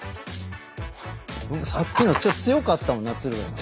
さっきのちょっと強かったもんな鶴瓶さん。